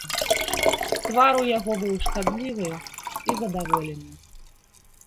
Твар у яго быў шкадлівы і задаволены.